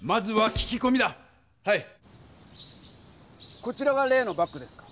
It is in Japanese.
こちらが例のバッグですか？